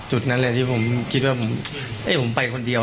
จุดนั้นแหละที่ผมคิดว่าผมไปคนเดียว